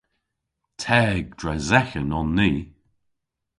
Teg dres eghen on ni.